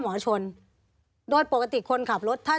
มีความรู้สึกว่ามีความรู้สึกว่า